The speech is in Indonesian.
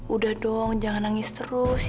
udah dong jangan nangis terus